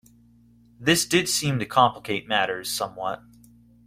This did seem to complicate matters somewhat.